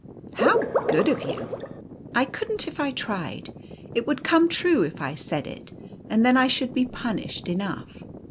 " How good of you !"" I could n't if I tried. It would come true if I said it, and then I should be punished enough."